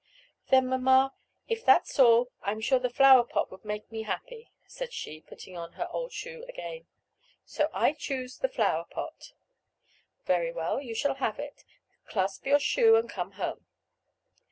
"Then, mamma, if that's all, I'm sure the flower pot would make me happy," said she, putting on her old shoe again; "so I choose the flower pot." "Very well, you shall have it; clasp your shoe and come home."